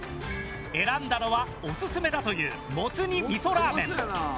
選んだのはオススメだというもつ煮味噌ラーメン。